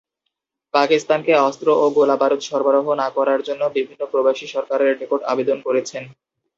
পাকিস্তানকে অস্ত্র ও গোলাবারুদ সরবরাহ না করার জন্য বিভিন্ন প্রবাসী সরকারের নিকট আবেদন করেছেন।